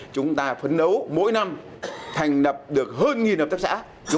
chúng ta phấn đấu mỗi năm thành lập được hơn nghìn hợp tác xã